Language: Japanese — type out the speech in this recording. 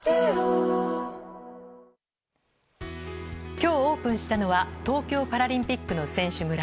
今日オープンしたのは東京パラリンピックの選手村。